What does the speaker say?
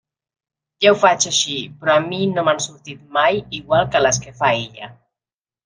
Ja ho faig així, però a mi no m'han sortit mai igual que les que fa ella.